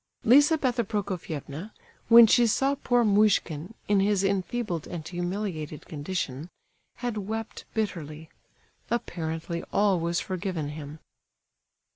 Lizabetha Prokofievna, when she saw poor Muishkin, in his enfeebled and humiliated condition, had wept bitterly. Apparently all was forgiven him.